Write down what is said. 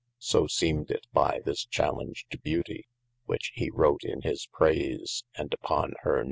So seemeth it by this challenge to beautie, which [h]e wrote in hir prayse and uppon hir name.